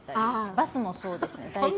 バスもそうです、大体。